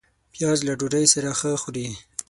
پیاز له ډوډۍ سره ښه خوري